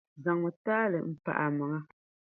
Zaŋmi taali m-pa a maŋa.